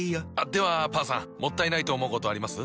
ではパンさんもったいないと思うことあります？